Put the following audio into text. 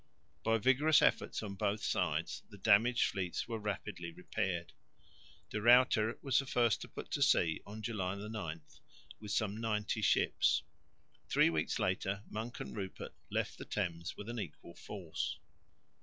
By vigorous efforts on both sides the damaged fleets were rapidly repaired. De Ruyter was the first to put to sea (July 9) with some ninety ships; three weeks later Monk and Rupert left the Thames with an equal force.